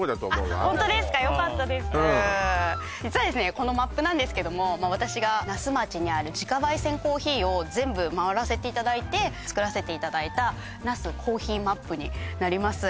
このマップなんですけども私が那須町にある自家焙煎コーヒーを全部回らせていただいて作らせていただいた那須コーヒーマップになります